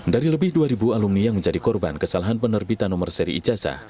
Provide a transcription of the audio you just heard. dari lebih dua alumni yang menjadi korban kesalahan penerbitan nomor seri ijasa